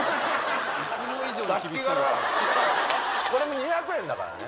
これも２００円だからね。